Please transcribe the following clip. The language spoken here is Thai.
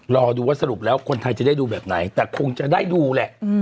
รอดูว่าสรุปแล้วคนไทยจะได้ดูแบบไหนแต่คงจะได้ดูแหละ